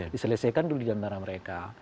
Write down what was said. diselesaikan dulu di antara mereka